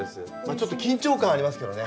ちょっと緊張感ありますけどね。